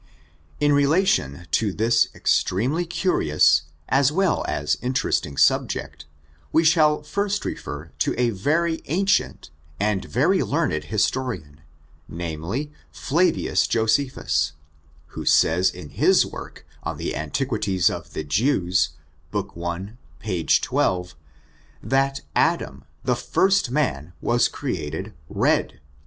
In relation to this extremely curious, as well as interesting subject, we shall refer first to a very an cient, and a very learned historian, namely, Flavius JosEPHUs, who says, in his work on the Antiquities of the Jews, Book i, p. 12, that Adam^ the first man, was created red.